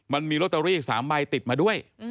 มันมีลอตเตอรี่๓ใบติดมาด้วย